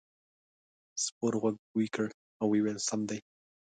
سپور غوږ بوی کړ او وویل سم دی.